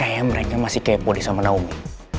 emang mereka masih kepo deh sama naomi